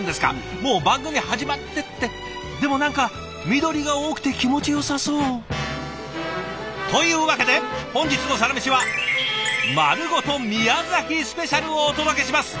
もう番組始まってってでも何か緑が多くて気持ちよさそう。というわけで本日の「サラメシ」はをお届けします！